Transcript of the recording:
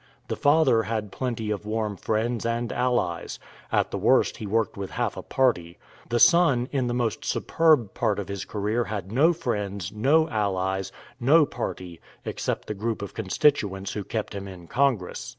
The father had plenty of warm friends and allies, at the worst he worked with half a party; the son in the most superb part of his career had no friends, no allies, no party except the group of constituents who kept him in Congress.